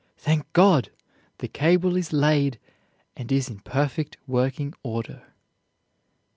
Thank God! the cable is laid and is in perfect working order.